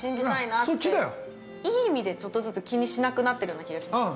◆いい意味で、ちょっとずつ気にしなくなってるような気がします。